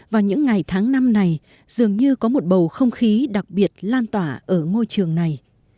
vào những ngày tháng năm này dường như có một bầu không khí đặc biệt lan tỏa ở ngôi trường này